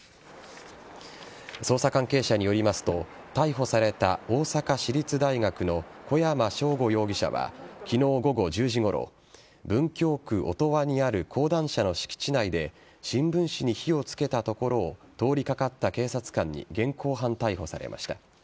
捜査関係者によりますと逮捕された大阪市立大学の小山尚吾容疑者は昨日午後１０時ごろ文京区音羽にある講談社の敷地内で新聞紙に火を付けたところを通りかかった警察官に現行犯逮捕されました。